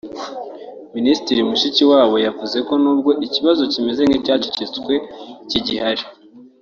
Minisitiri Mushikiwabo yavuze ko nubwo ikibazo kimeze nk’icyacecetswe kigihari